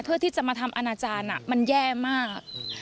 เพื่อที่จะมาทำอนาจารย์มันแย่มาก